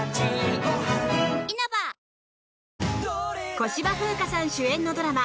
小芝風花さん主演のドラマ